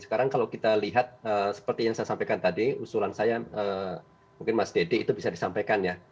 sekarang kalau kita lihat seperti yang saya sampaikan tadi usulan saya mungkin mas dede itu bisa disampaikan ya